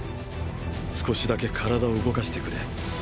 少しだけ体を動かしてくれ。